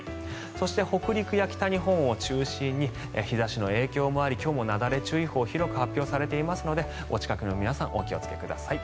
そして、北陸や北日本を中心に日差しの影響もあり今日もなだれ注意報が広く発表されていますのでお近くの皆さんお気をつけください。